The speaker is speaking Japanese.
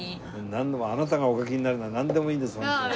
なんでもあなたがお描きになるならなんでもいいんですホント。